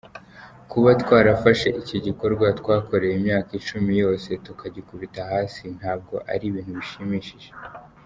Kuba twarafashe icyo gikorwa twakoreye imyaka icumi yose tukagikubita hasi ntabwo ari ibintu bishimishije.